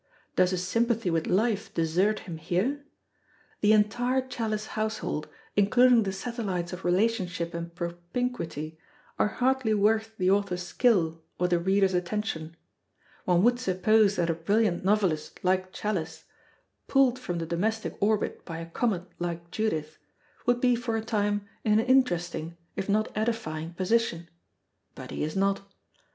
Does his sympathy with life desert him here? The entire Challis household, including the satellites of relationship and propinquity, are hardly worth the author's skill or the reader's attention. One would suppose that a brilliant novelist, like Challis, pulled from the domestic orbit by a comet like Judith, would be for a time in an interesting, if not an edifying, position; but he is not.